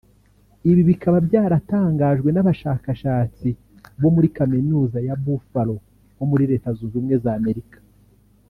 Ibi bikaba byaratangajwe n’abashakashatsi bo muri Kaminuza ya Buffalo ho muri Leta Zunze Ubumwe z’Amerika